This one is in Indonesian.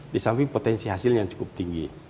disamping potensi hasilnya yang cukup tinggi